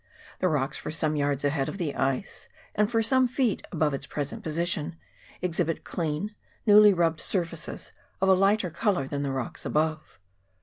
The rocks for some yards ahead of the ice, and for some feet above its present position, exhibit clean, newly rubbed surfaces, of a lighter colour than the rocks above.